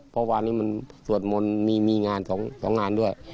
เมื่อวานนี้มันสวดมนต์มีงาน๒งานด้วย